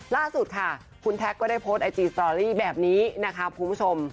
ล่าสุดค่ะคุณแท็กก็ได้โพสต์ไอจีสตอรี่แบบนี้นะคะคุณผู้ชม